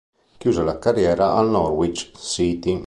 Chiuse la carriera al Norwich City.